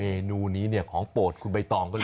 เมนูนี้เนี่ยของโปรดคุณใบตองก็เลย